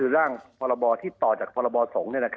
ร่างภรที่ต่อจากภรสงฆ์